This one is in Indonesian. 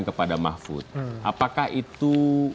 kepada mahfud apakah itu